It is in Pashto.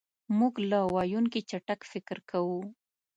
مونږ له ویونکي چټک فکر کوو.